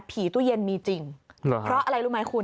ตู้เย็นมีจริงเหรอเพราะอะไรรู้ไหมคุณ